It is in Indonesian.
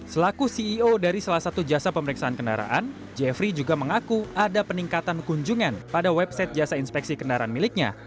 selaku ceo dari salah satu jasa pemeriksaan kendaraan jeffrey juga mengaku ada peningkatan kunjungan pada website jasa inspeksi kendaraan miliknya